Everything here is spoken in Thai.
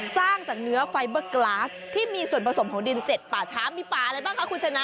สร้างจากเนื้อไฟเบอร์กลาสที่มีส่วนผสมของดินเจ็ดป่าช้ามีป่าอะไรบ้างคะคุณชนะ